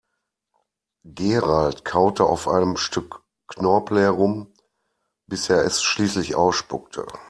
Gerald kaute auf einem Stück Knorpel herum, bis er es schließlich ausspuckte.